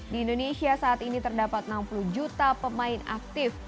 di indonesia saat ini terdapat enam puluh juta pemain aktif